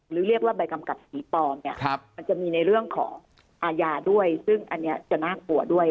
หรือเรียกว่าใบกำกับสีปลอมเนี่ยมันจะมีในเรื่องของอาญาด้วยซึ่งอันนี้จะน่ากลัวด้วย